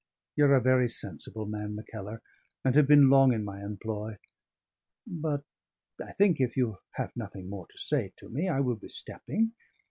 "Ye're a very sensible man, Mackellar, and have been long in my employ. But I think, if you have nothing more to say to me I will be stepping.